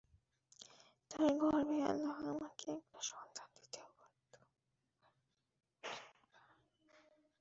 তার গর্ভে আল্লাহ আমাকে একটা সন্তান দিতেও পারেন।